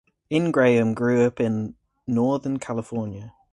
Ingraham grew up in Northern California.